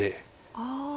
ああ。